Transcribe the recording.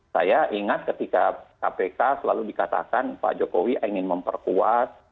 saya ingat ketika kpk selalu dikatakan pak jokowi ingin memperkuat